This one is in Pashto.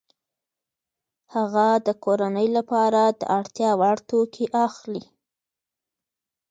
هغه د کورنۍ لپاره د اړتیا وړ توکي اخلي